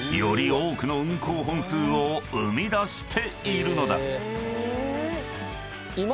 多くの運行本数を生み出しているのだ］